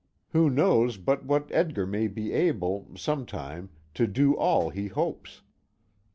Who knows but what Edgar may be able, some time, to do all he hopes!